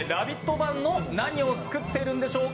版の「何を作ってるんでしょうか？